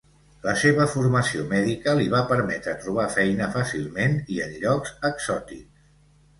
La seva formació mèdica li va permetre trobar feina fàcilment i en llocs exòtics.